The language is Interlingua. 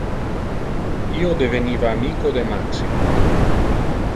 Io deveniva amico de Maximo.